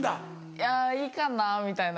いやいいかなみたいな。